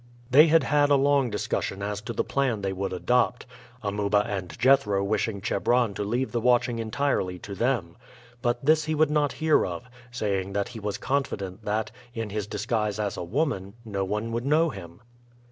They had had a long discussion as to the plan they would adopt, Amuba and Jethro wishing Chebron to leave the watching entirely to them. But this he would not hear of, saying that he was confident that, in his disguise as a woman, no one would know him.